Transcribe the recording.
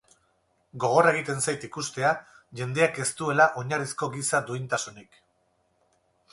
Gogorra egiten zait ikustea jendeak ez duela oinarrizko giza duintasunik.